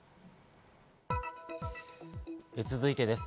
続いてです。